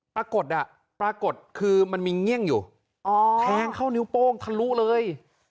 ปรากฏอ่ะปรากฏคือมันมีเงี่ยงอยู่แทงเข้านิ้วโป้งทะลุเลย